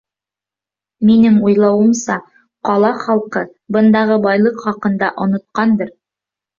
Минең уйлауымса, ҡала халҡы бындағы байлыҡ хаҡында онотҡандыр.